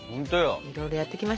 いろいろやってきましたからね。